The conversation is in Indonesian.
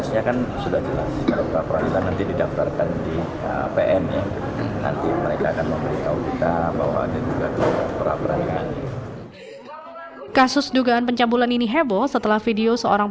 nanti prosesnya kan sudah jelas